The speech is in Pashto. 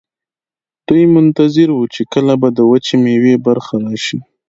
دوی منتظر وو چې کله به د وچې میوې برخه راشي.